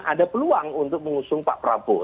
ada peluang untuk mengusung pak prabowo